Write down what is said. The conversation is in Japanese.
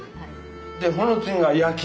でその次が夜勤。